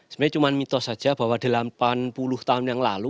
sebenarnya cuma mitos saja bahwa delapan puluh tahun yang lalu